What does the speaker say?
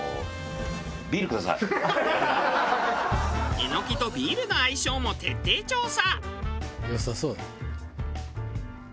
エノキとビールの相性も徹底調査。